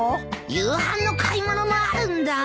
夕飯の買い物もあるんだ。